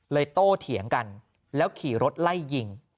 โตเถียงกันแล้วขี่รถไล่ยิง